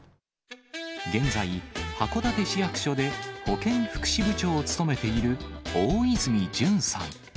現在、函館市役所で保健福祉部長を務めている大泉潤さん。